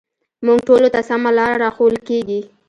موږ ټولو ته سمه لاره راښوول کېږي